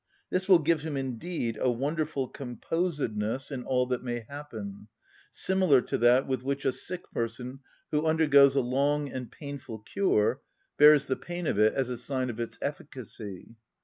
This will give him indeed a wonderful composedness in all that may happen, similar to that with which a sick person who undergoes a long and painful cure bears the pain of it as a sign of its efficacy.